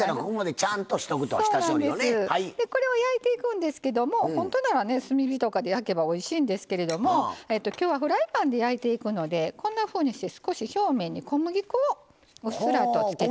これを焼いていくんですけど本当なら炭火で焼くとおいしいんですけどもきょうはフライパンで焼いていくのでこんなふうに表面に小麦粉をうっすらとつけて。